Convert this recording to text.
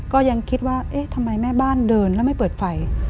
ก็ยังคิดว่าเอ๊ะทำไมแม่บ้านเดินแล้วไม่เปิดไฟ